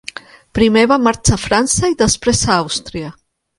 Primer va marxar a França i després a Àustria.